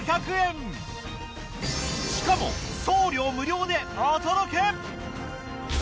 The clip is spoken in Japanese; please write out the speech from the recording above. しかも送料無料でお届け！